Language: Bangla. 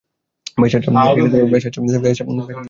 বেশ, আচ্ছা।